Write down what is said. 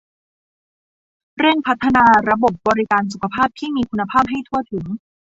เร่งพัฒนาระบบบริการสุขภาพที่มีคุณภาพให้ทั่วถึง